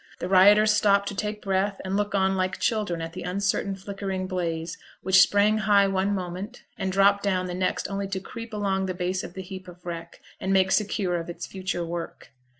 The rioters stopped to take breath and look on like children at the uncertain flickering blaze, which sprang high one moment, and dropped down the next only to creep along the base of the heap of wreck, and make secure of its future work.